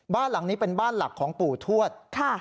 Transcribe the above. บ้านหลังนี้เป็นบ้านหลักของปู่ทวด